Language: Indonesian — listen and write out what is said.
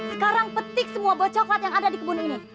sekarang petik semua bot coklat yang ada di kebun ini